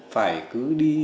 phải cứ đi